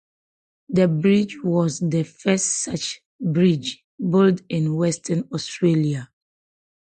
The bridge was the first such bridge built in Western Australia.